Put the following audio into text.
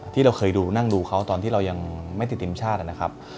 ที่เราเคยดูนั่งดูเขาตอนที่เรายังไม่ติดทีมชาตินะครับ